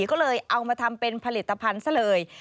ก็เลยเอามาทำเป็นผลิตภัณฑ์ซะเลย